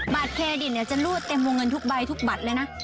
บัตรเครดิที่นี่จะลูดเต็มเงินทุกใบทุกบัตรเลยน่ะ